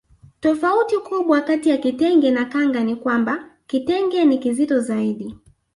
Tofauti kubwa kati ya kitenge na kanga ni kwamba kitenge ni kizito zaidi